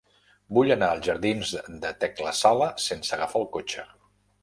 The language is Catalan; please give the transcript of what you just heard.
Vull anar als jardins de Tecla Sala sense agafar el cotxe.